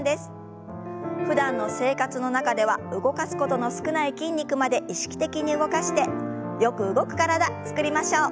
ふだんの生活の中では動かすことの少ない筋肉まで意識的に動かしてよく動く体つくりましょう。